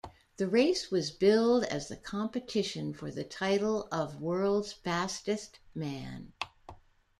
The race was billed as a competition for the title of World's Fastest Man.